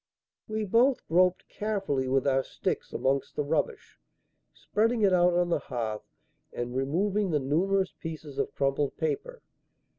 We both groped carefully with our sticks amongst the rubbish, spreading it out on the hearth and removing the numerous pieces of crumpled paper.